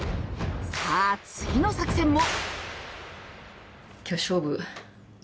さあ次の作戦も！